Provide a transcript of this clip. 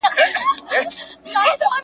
دلته موږ علمي بحثونه کوو.